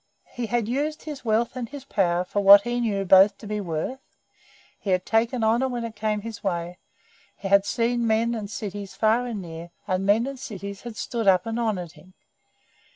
He had used his wealth and his power for what he knew both to be worth; he had taken honour when it came his way; he had seen men and cities far and near, and men and cities had stood up and honoured him.